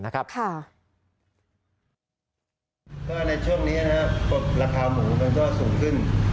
ก็ในช่วงนี้ราคาหมูมันก็สูงขึ้น